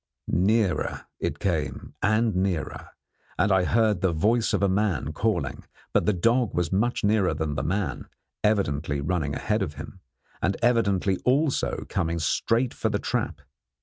Nearer it came and nearer, and I heard the voice of a man calling; but the dog was much nearer than the man, evidently running ahead of him, and evidently also coming straight for the trap.